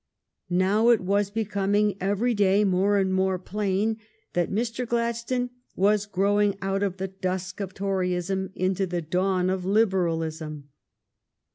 Now it was becoming every day more and more plain that Mr. Gladstone was growing out of the dusk of Toryism into thje dawn of Liberalism.